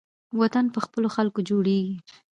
وطن په خپلو خلکو جوړیږي